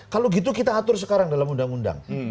kalau gitu kita atur sekarang dalam undang undang